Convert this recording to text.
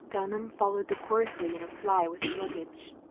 Dtinham followed decorously in a fly with the luggage.